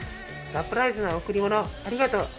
サプライズな贈り物ありがとう。